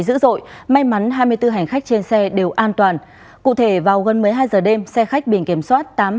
dữ dội may mắn hai mươi bốn hành khách trên xe đều an toàn cụ thể vào gần mới hai giờ đêm xe khách biển kiểm soát